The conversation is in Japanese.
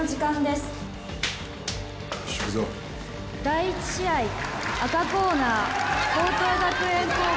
「第１試合赤コーナー朋桐学園高校